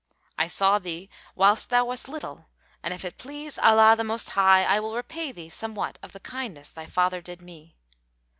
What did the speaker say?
I saw thee, whilst thou wast little; and, if it please Allah the Most High, I will repay thee somewhat of the kindness thy father did me."